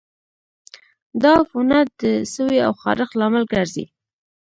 دا عفونت د سوي او خارښت لامل ګرځي.